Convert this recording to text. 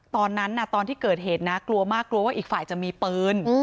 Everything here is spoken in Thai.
ตอนที่เกิดเหตุนะกลัวมากกลัวว่าอีกฝ่ายจะมีปืน